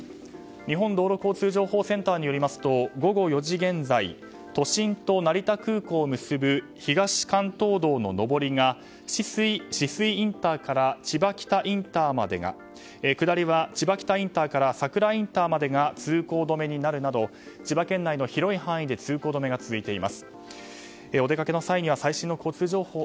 日本道路交通情報センターによりますと午後４時現在都心と成田空港を結ぶ東関東道の上りが酒々井ＩＣから千葉北ＩＣまでが下りは千葉北インターから佐倉インターまでが通行止めになるなど千葉県内の広い範囲でいいことばかりじゃない。